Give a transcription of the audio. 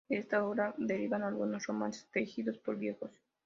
De esta obra derivan algunos romances tenidos por viejos.